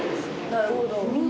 なるほど。